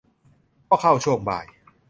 ก็เข้าช่วงบ่าย